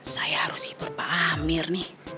saya harus hibur pak amir nih